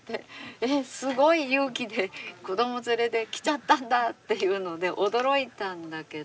えっすごい勇気で子ども連れで来ちゃったんだっていうので驚いたんだけど。